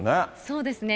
そうですね。